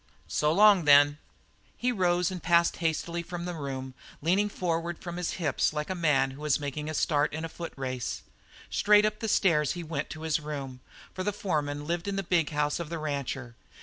"So long, then." He rose and passed hastily from the room, leaning forward from the hips like a man who is making a start in a foot race. Straight up the stairs he went to his room, for the foreman lived in the big house of the rancher.